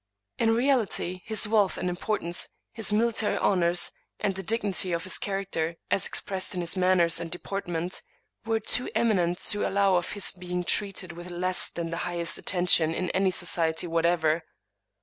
In reality, his wealth and importance, his military honors, and the 112 Thomas De Quincey dignity of his character, as expressed in his manners and deportment, were too eminent to allow of his being treated with less than the highest attention in any society what ever.